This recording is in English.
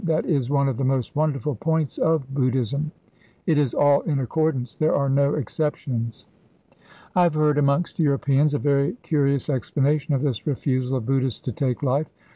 That is one of the most wonderful points of Buddhism, it is all in accordance; there are no exceptions. I have heard amongst Europeans a very curious explanation of this refusal of Buddhists to take life.